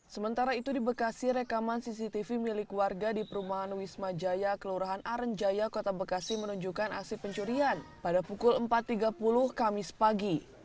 sementara itu di bekasi rekaman cctv milik warga di perumahan wisma jaya kelurahan arenjaya kota bekasi menunjukkan aksi pencurian pada pukul empat tiga puluh kamis pagi